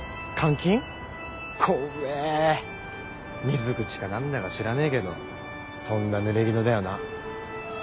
水口か何だか知らねえけどとんだぬれぎぬだよな。